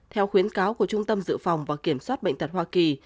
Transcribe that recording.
theo khuyến cáo của trung tâm dự phòng và kiểm soát bệnh tật hoa kỳ